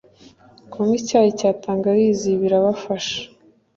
kunywa icyayi cya tangawizi birabafasha.